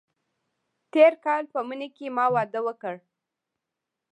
تېر کال په مني کې ما واده وکړ.